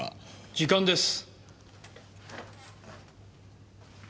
時間です。